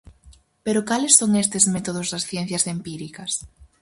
Pero cales son estes "métodos das ciencias empíricas"?